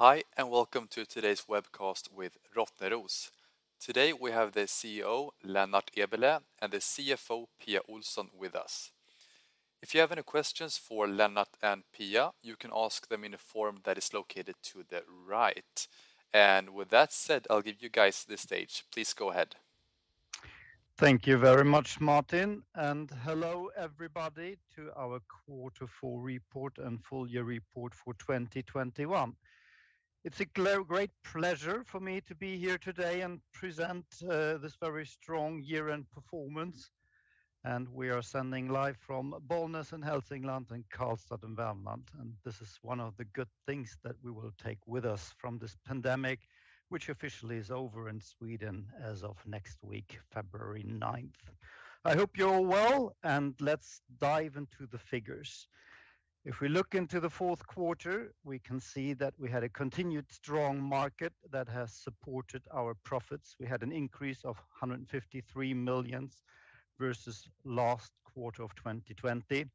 Hi, and welcome to today's webcast with Rottneros. Today we have the CEO, Lennart Eberleh, and the CFO, Pia Ohlson with us. If you have any questions for Lennart and Pia, you can ask them in a form that is located to the right. With that said, I'll give you guys the stage. Please go ahead. Thank you very much Martin, and hello everybody, to our quarter four report and full year report for 2021. It's a great pleasure for me to be here today and present this very strong year-end performance, and we are sending live from Bollnäs in Hälsingland and Karlstad in Värmland. This is one of the good things that we will take with us from this pandemic, which officially is over in Sweden as of next week, February 9. I hope you're all well, and let's dive into the figures. If we look into the fourth quarter, we can see that we had a continued strong market that has supported our profits. We had an increase of 153 million versus last quarter of 2020.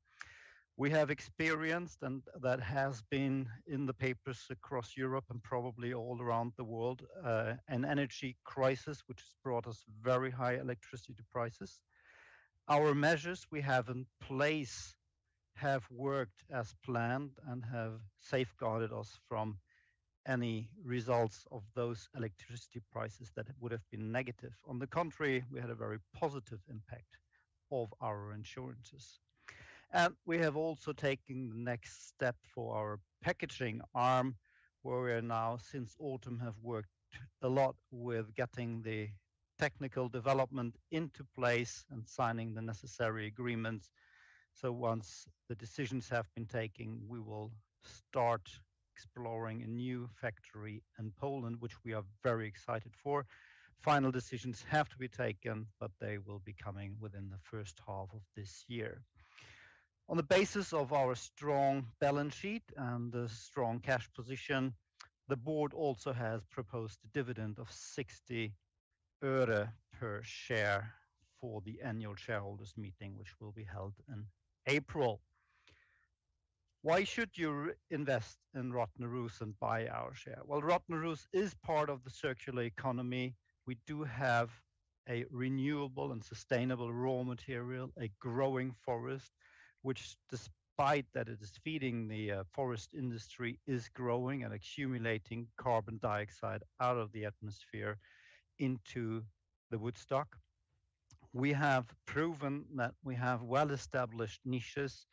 We have experienced, and that has been in the papers across Europe and probably all around the world, an energy crisis which has brought us very high electricity prices. Our measures we have in place have worked as planned and have safeguarded us from any results of those electricity prices that would have been negative. On the contrary, we had a very positive impact of our insurances. We have also taken the next step for our packaging arm, where we are now since autumn have worked a lot with getting the technical development into place and signing the necessary agreements. Once the decisions have been taken, we will start exploring a new factory in Poland, which we are very excited for. Final decisions have to be taken, but they will be coming within the first half of this year. On the basis of our strong balance sheet and the strong cash position, the board also has proposed a dividend of SEK 0.60 per share for the annual shareholders meeting, which will be held in April. Why should you invest in Rottneros and buy our share? Well, Rottneros is part of the circular economy. We do have a renewable and sustainable raw material, a growing forest, which despite that it is feeding the forest industry, is growing and accumulating carbon dioxide out of the atmosphere into the wood stock. We have proven that we have well-established niches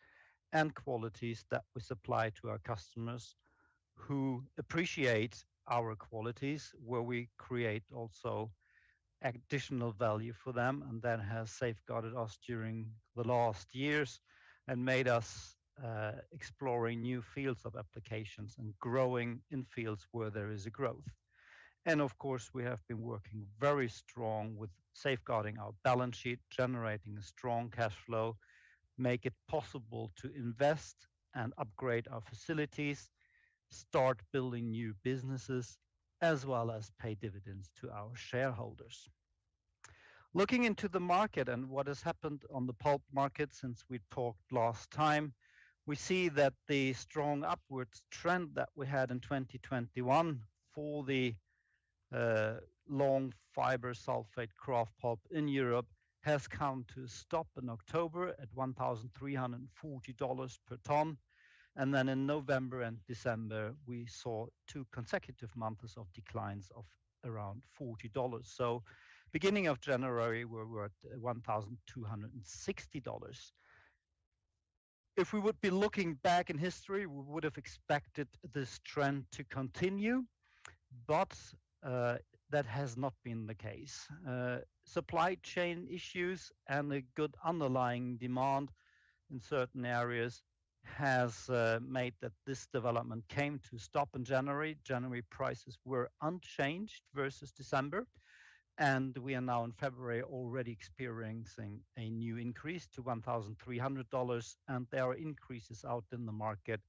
and qualities that we supply to our customers who appreciate our qualities, where we create also additional value for them, and that has safeguarded us during the last years and made us exploring new fields of applications and growing in fields where there is a growth. Of course, we have been working very strong with safeguarding our balance sheet, generating a strong cash flow, make it possible to invest and upgrade our facilities, start building new businesses, as well as pay dividends to our shareholders. Looking into the market and what has happened on the pulp market since we talked last time, we see that the strong upward trend that we had in 2021 for the long fiber sulfate kraft pulp in Europe has come to a stop in October at $1,340 per ton. Then in November and December, we saw two consecutive months of declines of around $40. Beginning of January, we're worth $1,260. If we would be looking back in history, we would have expected this trend to continue, but that has not been the case. Supply chain issues and a good underlying demand in certain areas has made that this development came to stop in January. January prices were unchanged versus December, and we are now in February already experiencing a new increase to $1,300, and there are increases out in the market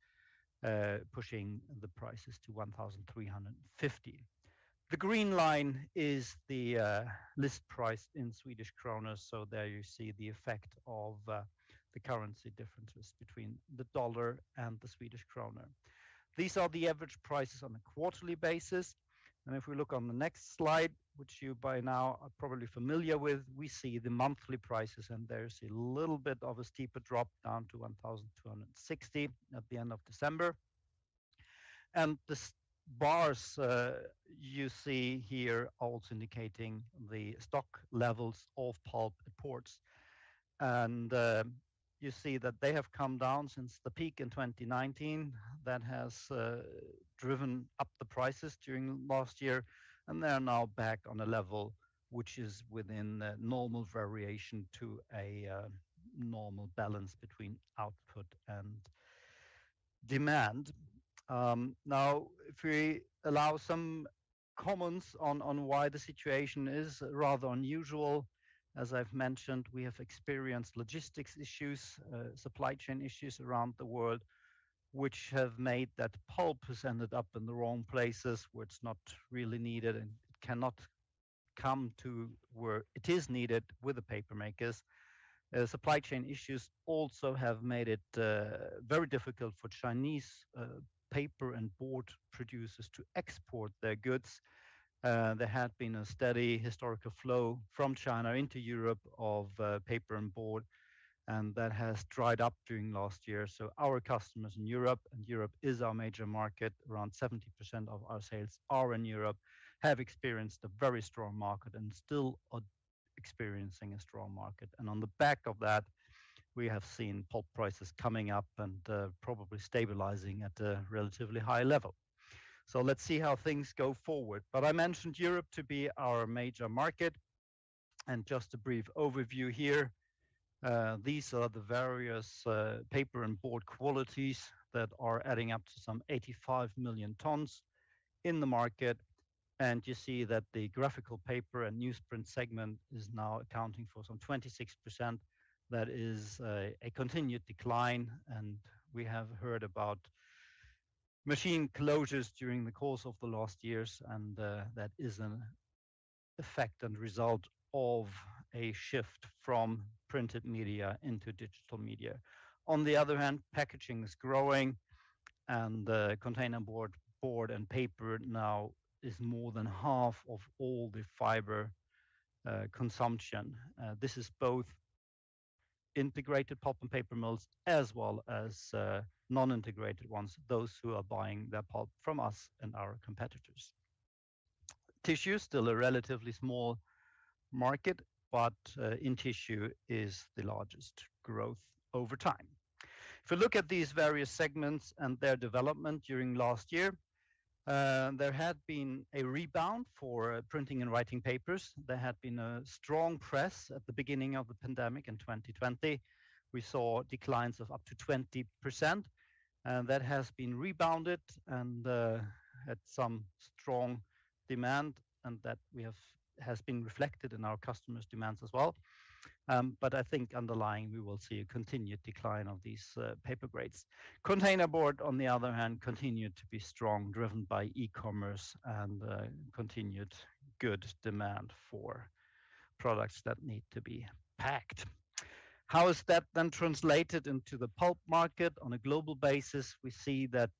pushing the prices to $1,350. The green line is the list price in Swedish krona. So there you see the effect of the currency differences between the dollar and the Swedish krona. These are the average prices on a quarterly basis. If we look on the next slide, which you by now are probably familiar with, we see the monthly prices, and there's a little bit of a steeper drop down to 1,260 at the end of December. These bars you see here also indicating the stock levels of pulp imports. You see that they have come down since the peak in 2019. That has driven up the prices during last year, and they are now back on a level which is within the normal variation to a normal balance between output and demand. Now, if we allow some comments on why the situation is rather unusual, as I've mentioned, we have experienced logistics issues, supply chain issues around the world, which have made that pulp has ended up in the wrong places where it's not really needed and cannot come to where it is needed with the paper makers. Supply chain issues also have made it very difficult for Chinese paper and board producers to export their goods. There had been a steady historical flow from China into Europe of paper and board, and that has dried up during last year. Our customers in Europe, and Europe is our major market, around 70% of our sales are in Europe, have experienced a very strong market and still are experiencing a strong market. On the back of that, we have seen pulp prices coming up and, probably stabilizing at a relatively high level. Let's see how things go forward. I mentioned Europe to be our major market, and just a brief overview here. These are the various paper and board qualities that are adding up to some 85 million tons in the market. You see that the graphical paper and newsprint segment is now accounting for some 26%. That is a continued decline, and we have heard about machine closures during the course of the last years, and that is an effect and result of a shift from printed media into digital media. On the other hand, packaging is growing, and containerboard, board and paper now is more than half of all the fiber consumption. This is both integrated pulp and paper mills, as well as non-integrated ones, those who are buying their pulp from us and our competitors. Tissue is still a relatively small market, but in tissue is the largest growth over time. If you look at these various segments and their development during last year, there had been a rebound for printing and writing papers. There had been a strong press at the beginning of the pandemic in 2020. We saw declines of up to 20%, and that has been rebounded and had some strong demand and that has been reflected in our customers' demands as well. I think underlying we will see a continued decline of these paper grades. Containerboard, on the other hand, continued to be strong, driven by e-commerce and continued good demand for products that need to be packed. How is that then translated into the pulp market? On a global basis, we see that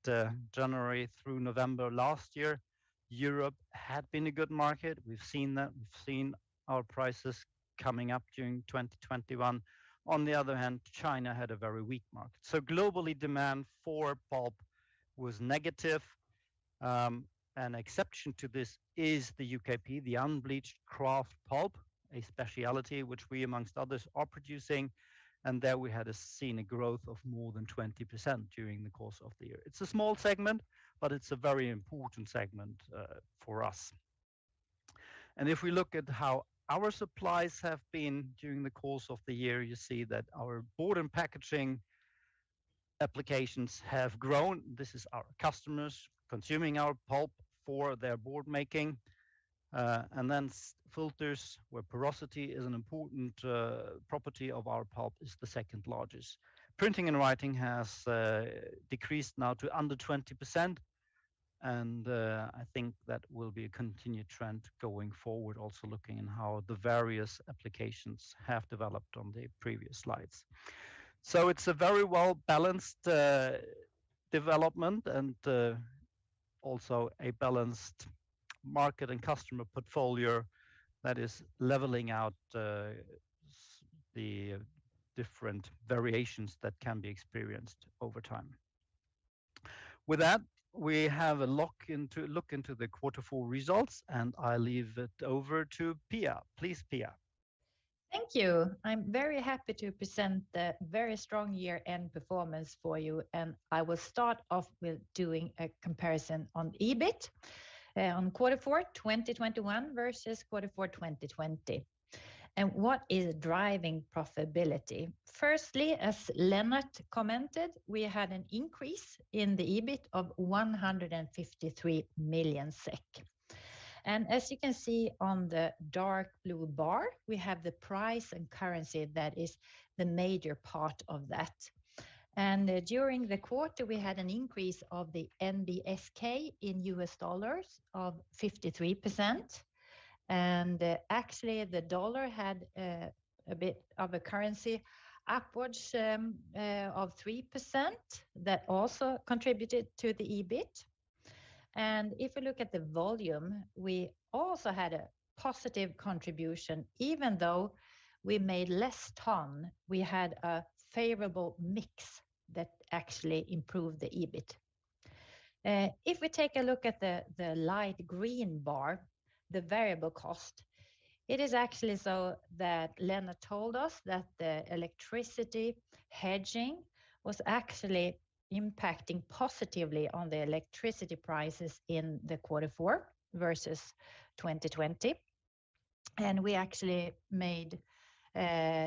January through November last year, Europe had been a good market. We've seen that. We've seen our prices coming up during 2021. On the other hand, China had a very weak market. Globally, demand for pulp was negative. An exception to this is the UKP, the Unbleached Kraft Pulp, a specialty which we among others are producing. There we had a significant growth of more than 20% during the course of the year. It's a small segment, but it's a very important segment for us. If we look at how our supplies have been during the course of the year, you see that our board and packaging applications have grown. This is our customers consuming our pulp for their board making. And then filters where porosity is an important property of our pulp is the second largest. Printing and writing has decreased now to under 20%, and I think that will be a continued trend going forward, also looking at how the various applications have developed on the previous slides. It's a very well-balanced development and also a balanced market and customer portfolio that is leveling out the different variations that can be experienced over time. With that, we have a look into the quarter four results, and I leave it over to Pia. Please, Pia. Thank you. I'm very happy to present the very strong year-end performance for you, and I will start off with doing a comparison on EBIT on quarter four, 2021 versus quarter four, 2020. What is driving profitability? Firstly, as Lennart commented, we had an increase in the EBIT of 153 million SEK. As you can see on the dark blue bar, we have the price and currency that is the major part of that. During the quarter, we had an increase of the NBSK in USD of 53%. Actually, the dollar had a bit of a currency upwards of 3% that also contributed to the EBIT. If you look at the volume, we also had a positive contribution, even though we made less ton, we had a favorable mix that actually improved the EBIT. If we take a look at the light green bar, the variable cost, it is actually so that Lennart told us that the electricity hedging was actually impacting positively on the electricity prices in quarter four versus 2020. We actually made -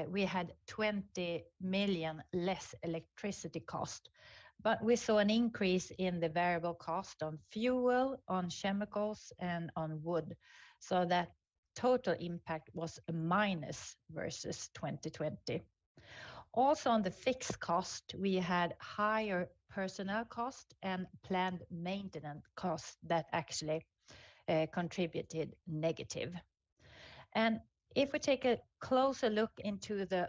we had 20 million less electricity cost, but we saw an increase in the variable cost on fuel, on chemicals, and on wood. That total impact was a minus versus 2020. Also on the fixed cost, we had higher personnel cost and planned maintenance cost that actually contributed negative. If we take a closer look into the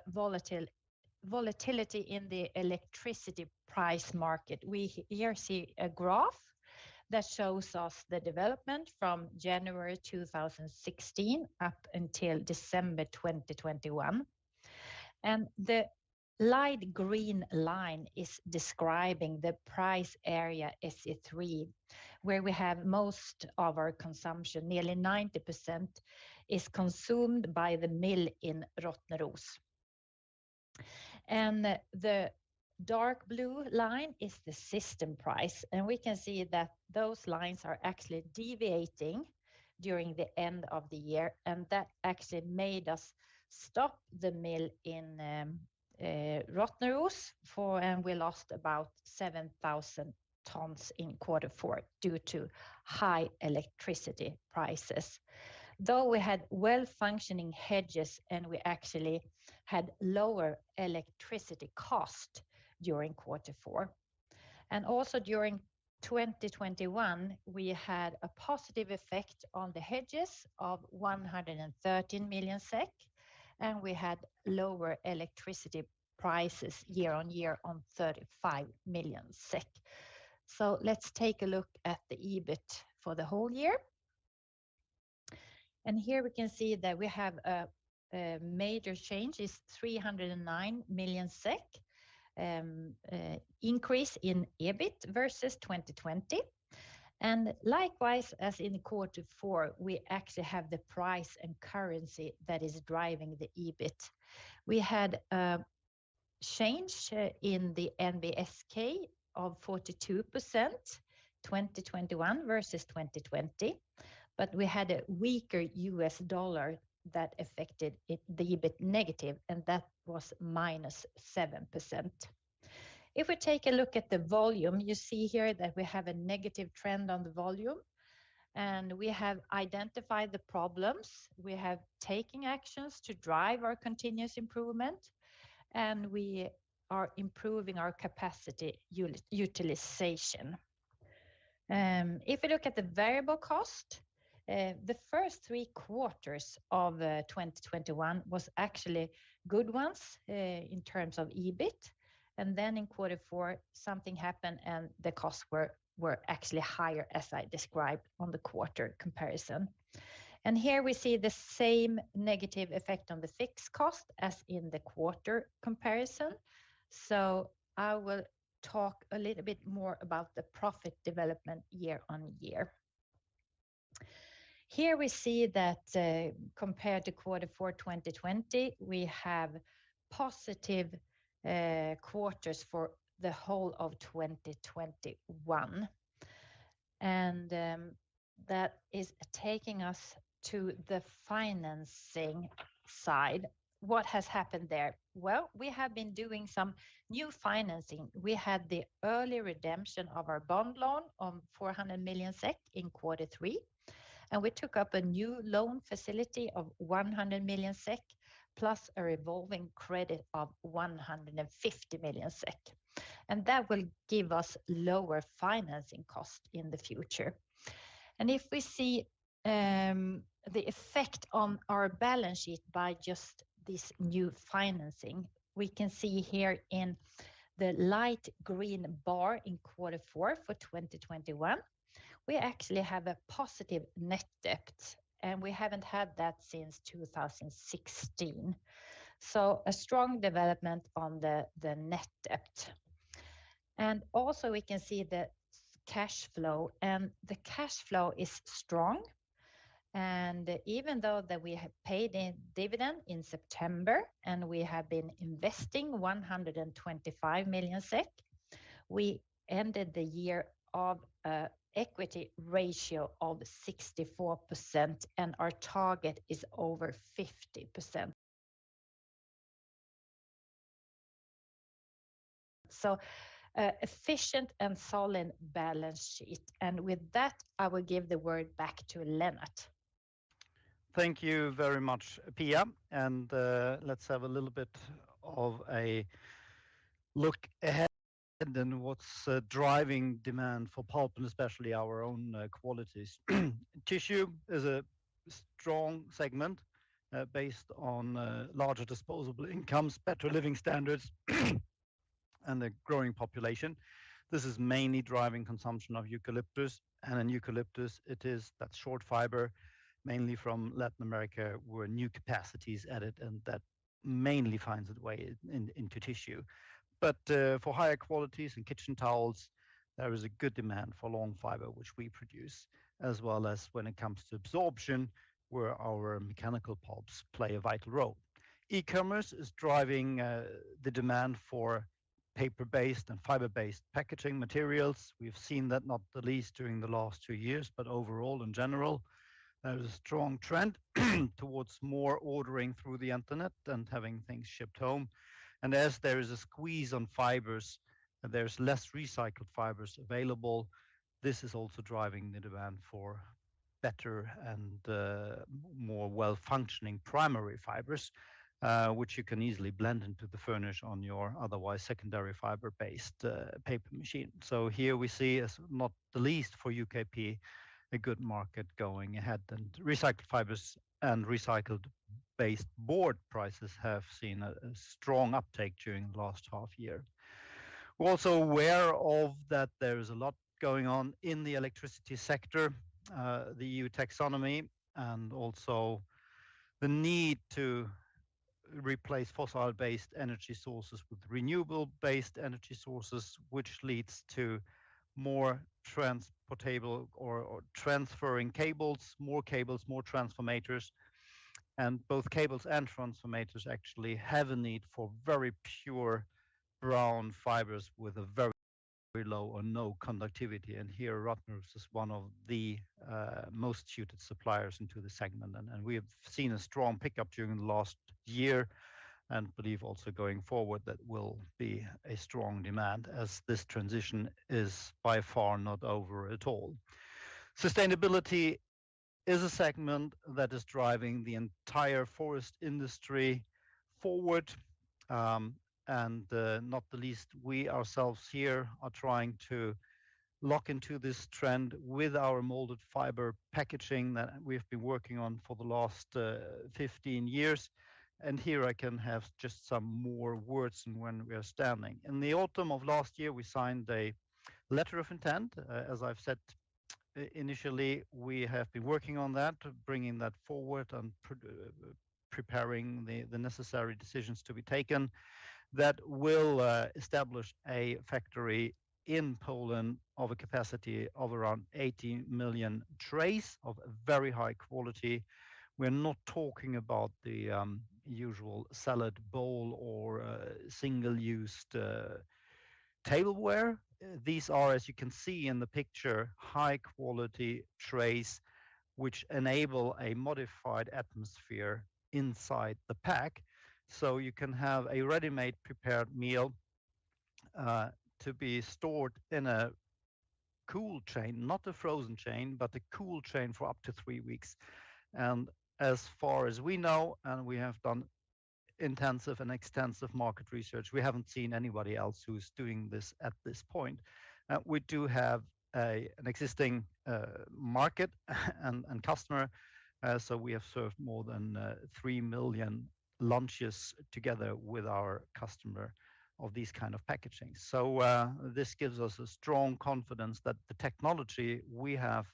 volatility in the electricity price market, we here see a graph that shows us the development from January 2016 up until December 2021. The light green line is describing the price area SE3, where we have most of our consumption. Nearly 90% is consumed by the mill in Rottneros. The dark blue line is the system price and we can see that those lines are actually deviating during the end of the year, and that actually made us stop the mill in Rottneros. We lost about 7,000 tons in quarter four due to high electricity prices. Though we had well-functioning hedges, and we actually had lower electricity cost during quarter four. Also during 2021, we had a positive effect on the hedges of 113 million SEK and we had lower electricity prices year-over-year on 35 million SEK. Let's take a look at the EBIT for the whole year. Here we can see that we have a major change is 309 million SEK increase in EBIT versus 2020. Likewise, as in quarter four, we actually have the price and currency that is driving the EBIT. We had a change in the NBSK of 42%, 2021 versus 2020, but we had a weaker U.S. dollar that affected it, the EBIT negative, and that was -7%. If we take a look at the volume, you see here that we have a negative trend on the volume, and we have identified the problems. We have taken actions to drive our continuous improvement, and we are improving our capacity utilization. If we look at the variable cost, the first three quarters of 2021 was actually good ones in terms of EBIT. Then in quarter four, something happened and the costs were actually higher as I described on the quarter comparison. Here we see the same negative effect on the fixed cost as in the quarter comparison. I will talk a little bit more about the profit development year-on-year. Here we see that compared to quarter four 2020, we have positive quarters for the whole of 2021. That is taking us to the financing side. What has happened there? Well, we have been doing some new financing. We had the early redemption of our bond loan on 400 million SEK in quarter three, and we took up a new loan facility of 100 million SEK plus a revolving credit of 150 million SEK. That will give us lower financing cost in the future. If we see the effect on our balance sheet by just this new financing, we can see here in the light green bar in quarter four for 2021, we actually have a positive net debt, and we haven't had that since 2016. A strong development on the net debt. We can see the cash flow, and the cash flow is strong. Even though that we have paid a dividend in September, and we have been investing 125 million SEK, we ended the year with an equity ratio of 64%, and our target is over 50%. Efficient and solid balance sheet. With that, I will give the word back to Lennart. Thank you very much Pia, and let's have a little bit of a look ahead and then what's driving demand for pulp and especially our own qualities. Tissue is a strong segment, based on larger disposable incomes, better living standards and a growing population. This is mainly driving consumption of eucalyptus. In eucalyptus, it is that short fiber mainly from Latin America where new capacity is added and that mainly finds its way in, into tissue. For higher qualities in kitchen towels, there is a good demand for long fiber, which we produce, as well as when it comes to absorption, where our mechanical pulps play a vital role. E-commerce is driving, the demand for paper-based and fiber-based packaging materials. We've seen that not the least during the last two years, but overall in general, there is a strong trend towards more ordering through the internet and having things shipped home. There is a squeeze on fibers and there's less recycled fibers available, this is also driving the demand for better and more well-functioning primary fibers, which you can easily blend into the furnish on your otherwise secondary fiber-based paper machine. Here we see, as not the least for UKP, a good market going ahead, and recycled fibers and recycled-based board prices have seen a strong uptake during the last half year. We're also aware of that there is a lot going on in the electricity sector, the EU taxonomy, and also the need to replace fossil-based energy sources with renewable-based energy sources, which leads to more transportable or transferring cables, more cables, more transformers. Both cables and transformers actually have a need for very pure brown fibers with a very low or no conductivity. Here, Rottneros is one of the most suited suppliers into the segment. We have seen a strong pickup during the last year, and believe also going forward that will be a strong demand as this transition is by far not over at all. Sustainability is a segment that is driving the entire forest industry forward. Not the least, we ourselves here are trying to lock into this trend with our molded fiber packaging that we've been working on for the last 15 years. Here I can have just some more words than when we are standing. In the autumn of last year, we signed a letter of intent. As I've said, initially, we have been working on that, bringing that forward and preparing the necessary decisions to be taken that will establish a factory in Poland of a capacity of around 80 million trays of very high quality. We're not talking about the usual salad bowl or single-use tableware. These are, as you can see in the picture, high-quality trays which enable a modified atmosphere inside the pack. You can have a ready-made prepared meal to be stored in a cool chain, not a frozen chain, but a cool chain for up to three weeks. As far as we know, and we have done intensive and extensive market research, we haven't seen anybody else who's doing this at this point. We do have an existing market and customer, so we have served more than three million lunches together with our customer of this kind of packaging. This gives us a strong confidence that the technology we have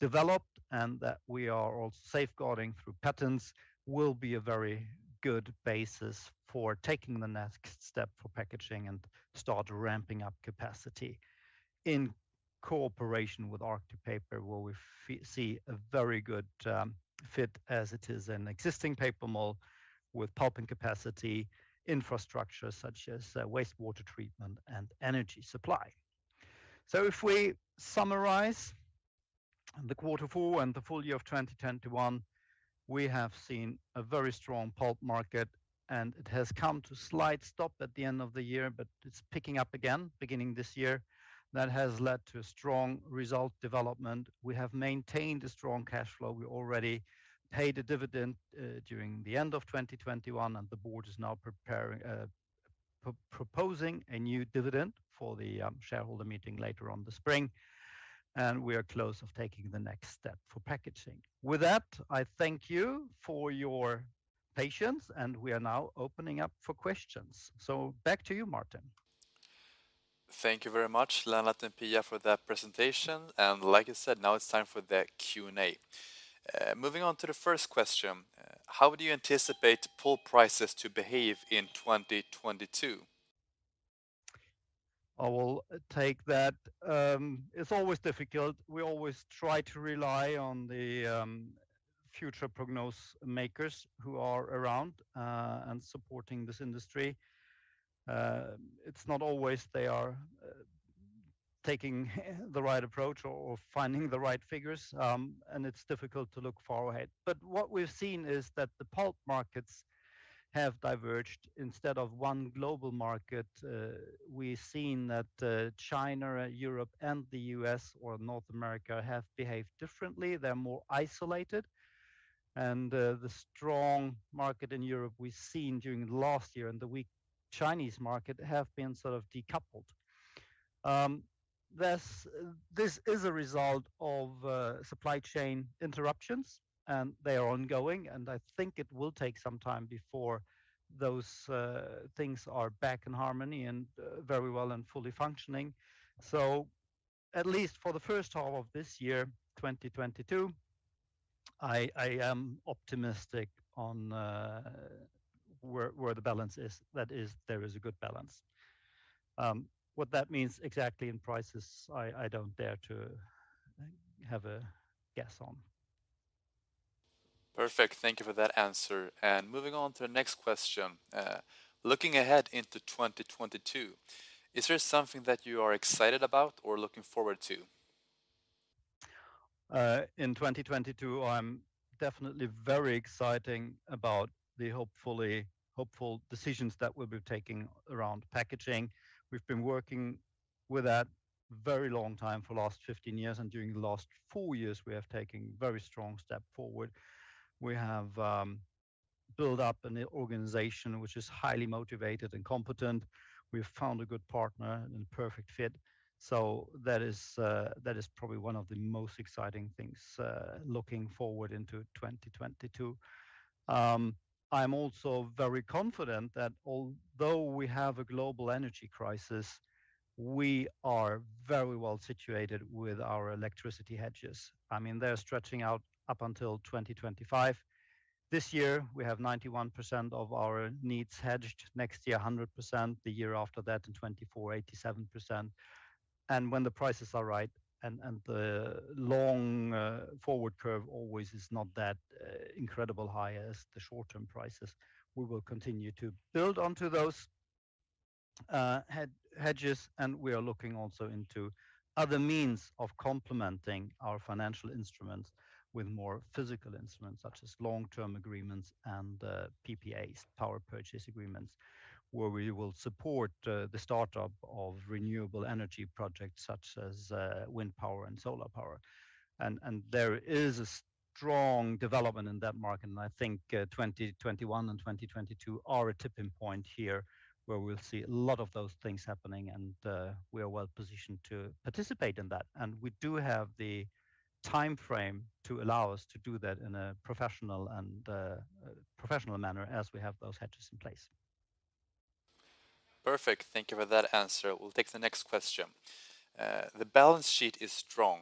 developed and that we are all safeguarding through patents will be a very good basis for taking the next step for packaging and start ramping up capacity in cooperation with Arctic Paper, where we see a very good fit as it is an existing paper mill with pulping capacity, infrastructure such as wastewater treatment and energy supply. If we summarize the quarter four and the full year of 2021, we have seen a very strong pulp market, and it has come to slight stop at the end of the year but it's picking up again beginning this year. That has led to a strong result development. We have maintained a strong cash flow. We already paid a dividend during the end of 2021, and the board is now preparing - proposing a new dividend for the shareholder meeting later on this spring. We are close to taking the next step for packaging. With that, I thank you for your patience and we are now opening up for questions. Back to you, Martin. Thank you very much, Lennart and Pia, for that presentation. Like I said, now it's time for the Q&A. Moving on to the first question, how do you anticipate pulp prices to behave in 2022? I will take that. It's always difficult. We always try to rely on the future prognosis makers who are around and supporting this industry. It's not always they are taking the right approach or finding the right figures, and it's difficult to look forward. What we've seen is that the pulp markets have diverged. Instead of one global market, we've seen that China, Europe, and the U.S. or North America have behaved differently. They're more isolated. The strong market in Europe we've seen during the last year and the weak Chinese market have been sort of decoupled. This is a result of supply chain interruptions, and they are ongoing. I think it will take some time before those things are back in harmony and very well and fully functioning. At least for the first half of this year, 2022, I am optimistic on where the balance is. That is, there is a good balance. What that means exactly in prices, I don't dare to have a guess on. Perfect. Thank you for that answer. Moving on to the next question. Looking ahead into 2022, is there something that you are excited about or looking forward to? In 2022, I'm - definitely very exciting about the hopeful decisions that we'll be taking around packaging. We've been working with that very long time for last 15 years. During the last four years, we have taken very strong step forward. We have built up an organization which is highly motivated and competent. We've found a good partner and a perfect fit. That is probably one of the most exciting things looking forward into 2022. I'm also very confident that although we have a global energy crisis, we are very well situated with our electricity hedges. I mean, they're stretching out up until 2025. This year, we have 91% of our needs hedged. Next year, 100%. The year after that, in 2024, 87%. When the prices are right and the long forward curve always is not that incredibly high as the short-term prices, we will continue to build onto those hedges, and we are looking also into other means of complementing our financial instruments with more physical instruments, such as long-term agreements and PPAs, power purchase agreements, where we will support the startup of renewable energy projects such as wind power and solar power. There is a strong development in that market and I think 2021 and 2022 are a tipping point here, where we'll see a lot of those things happening and we are well positioned to participate in that. We do have the timeframe to allow us to do that in a professional manner as we have those hedges in place. Perfect. Thank you for that answer. We'll take the next question. The balance sheet is strong.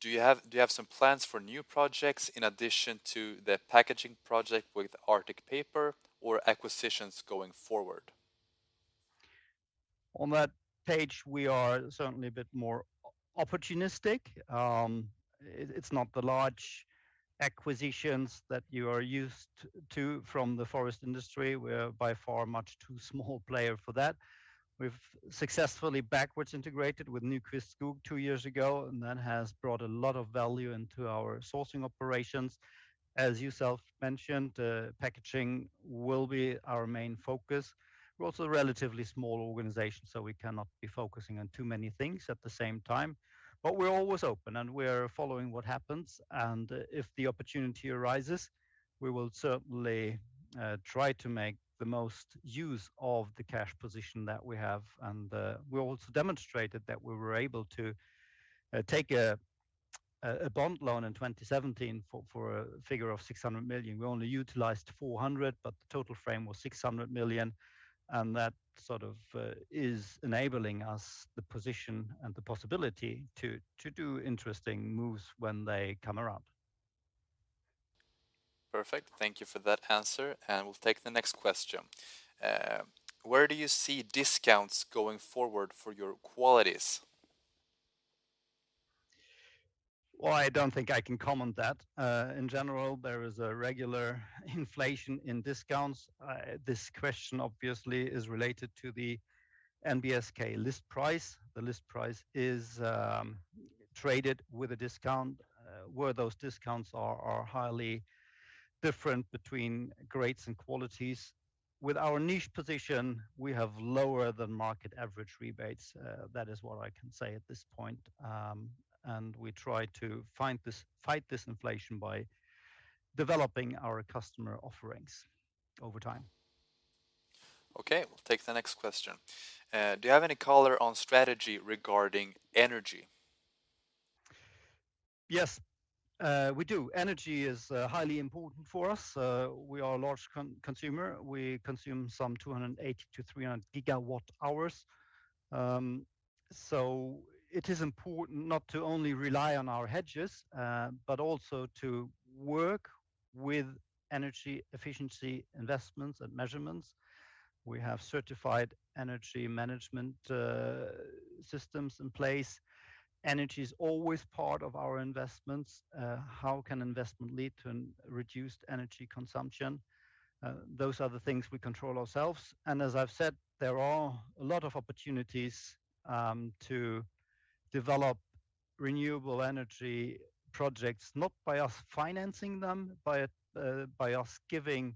Do you have some plans for new projects in addition to the packaging project with Arctic Paper or acquisitions going forward? On that page, we are certainly a bit more opportunistic. It's not the large acquisitions that you are used to from the forest industry. We're by far a much too small player for that. We've successfully backwards integrated with Nykvist Skogs two years ago, and that has brought a lot of value into our sourcing operations. As yourself mentioned, packaging will be our main focus. We're also a relatively small organization, so we cannot be focusing on too many things at the same time but we're always open, and we're following what happens. If the opportunity arises, we will certainly try to make the best use of the cash position that we have. We also demonstrated that we were able to take a bond loan in 2017 for a figure of 600 million. We only utilized 400 million, but the total frame was 600 million. That sort of is enabling us the position and the possibility to do interesting moves when they come around. Perfect. Thank you for that answer, and we'll take the next question. Where do you see discounts going forward for your qualities? Well, I don't think I can comment that. In general, there is a regular inflation in discounts. This question obviously is related to the NBSK list price. The list price is traded with a discount, where those discounts are highly different between grades and qualities. With our niche position, we have lower than market average rebates. That is what I can say at this point. We try to fight this inflation by developing our customer offerings over time. Okay, we'll take the next question. Do you have any color on strategy regarding energy? Yes, we do. Energy is highly important for us. We are a large consumer. We consume some 280-300 GWh, so it is important not to only rely on our hedges, but also to work with energy efficiency investments and measurements. We have certified energy management systems in place. Energy is always part of our investments. How can investment lead to a reduced energy consumption? Those are the things we control ourselves. As I've said, there are a lot of opportunities to develop renewable energy projects, not by us financing them, but by us giving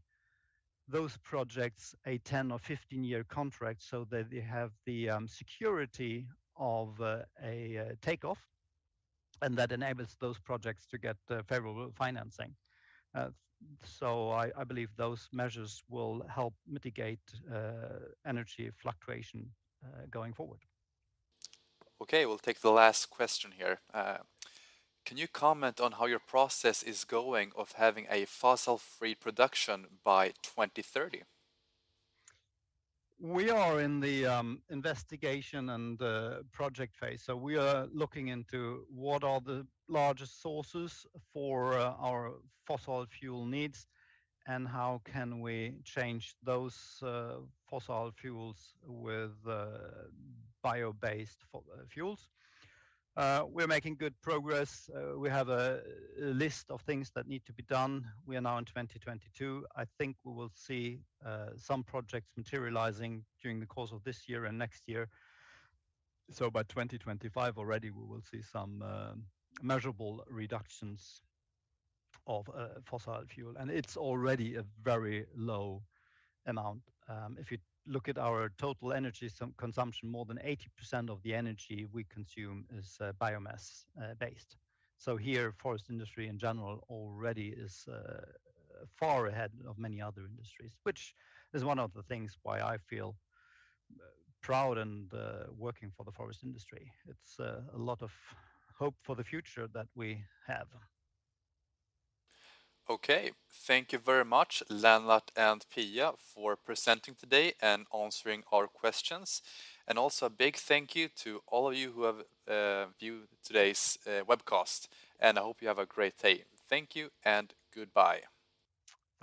those projects a 10 or 15 year contract so that they have the security of a takeoff, and that enables those projects to get favorable financing. I believe those measures will help mitigate energy fluctuation going forward. Okay, we'll take the last question here. Can you comment on how your process is going of having a fossil-free production by 2030? We are in the investigation and project phase. We are looking into what are the largest sources for our fossil fuel needs, and how can we change those fossil fuels with bio-based fuels. We're making good progress. We have a list of things that need to be done. We are now in 2022. I think we will see some projects materializing during the course of this year and next year. By 2025 already, we will see some measurable reductions of fossil fuel. It's already a very low amount. If you look at our total energy consumption, more than 80% of the energy we consume is biomass based. Here, forest industry in general already is far ahead of many other industries, which is one of the things why I feel proud and working for the forest industry. It's a lot of hope for the future that we have. Okay. Thank you very much, Lennart and Pia, for presenting today and answering our questions. Also a big thank you to all of you who have viewed today's webcast. I hope you have a great day. Thank you and goodbye.